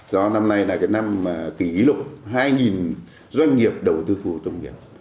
do năm nay là năm kỷ lục hai doanh nghiệp đầu tư phù hợp công nghiệp